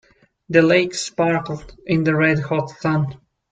The lake sparkled in the red hot sun.